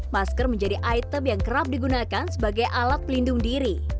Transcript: masker menjadi item yang kerap digunakan sebagai alat pelindung diri